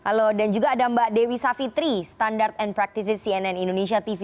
halo dan juga ada mbak dewi savitri standard and practices cnn indonesia tv